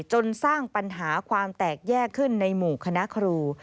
จนสร้างปัญหาความแตกแยกขึ้นในหมู่คณะครู